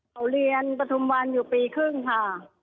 เขาเรียนปฐุมวันอยู่ปีครึ่งค่ะ